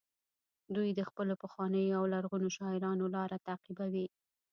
دوی د خپلو پخوانیو او لرغونو شاعرانو لاره تعقیبوي